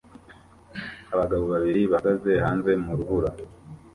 Abagabo babiri bahagaze hanze mu rubura